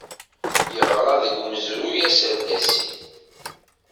Yeɣra deg umezruy aserdasi